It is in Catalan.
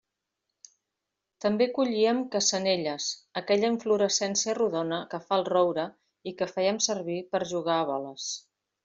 També collíem cassanelles, aquella inflorescència rodona que fa el roure i que fèiem servir per a jugar a boles.